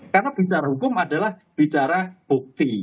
karena bicara hukum adalah bicara bukti